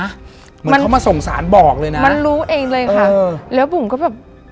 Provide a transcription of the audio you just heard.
เหมือนเขามาส่งสารบอกเลยนะมันรู้เองเลยค่ะเออแล้วบุ๋มก็แบบ